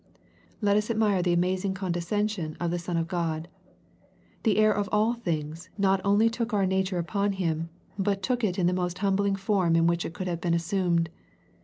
Let us admire the amazing condescension of the Son of God. The Heir of all things not only took our nature upon Him, but took it in the most humbling form in which it could have been assumed.